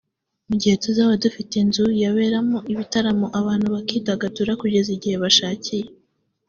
mugihe tuzaba dufite inzu yaberamo ibitaramo abantu bakidagadura kugeza igihe bashakiye